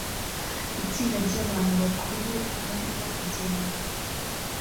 Itsinda ryabantu bakuru barimo kugenda